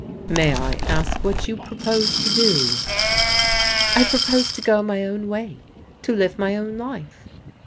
" May I ask what you propose to do ?"I propose to go my own way. To live my own life."